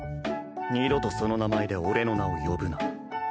二度とその名前で俺の名を呼ぶな。